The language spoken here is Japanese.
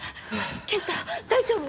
健太大丈夫？